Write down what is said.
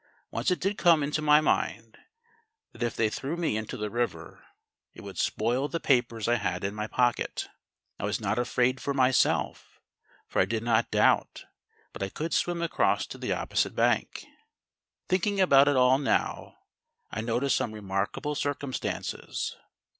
Once it did come into my mind, that if they threw me into the river, it would spoil the papers I had in my pocket. I was not afraid for myself, for I did not doubt but I could swim across to the opposite bank. "Thinking about it all now, I notice some remarkable circumstances.